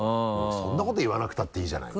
そんなこと言わなくたっていいじゃないの。